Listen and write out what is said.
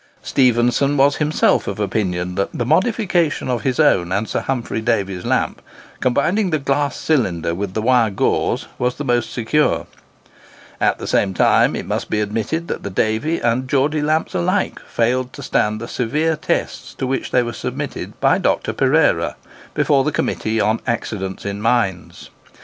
Stephenson was himself of opinion that the modification of his own and Sir Humphry Davy's lamp, combining the glass cylinder with the wire gauze, was the most secure; at the same time it must be admitted that the Davy and the Geordy lamps alike failed to stand the severe tests to which they were submitted by Dr. Pereira, before the Committee on Accidents in Mines.